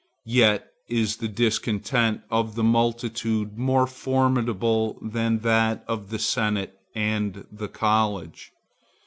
Yet is the discontent of the multitude more formidable than that of the senate and the college.